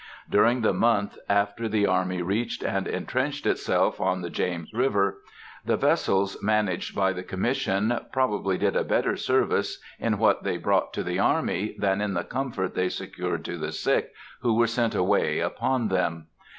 During the month after the army reached and intrenched itself on the James River, the vessels managed by the Commission probably did a better service in what they brought to the army, than in the comfort they secured to the sick who were sent away upon them.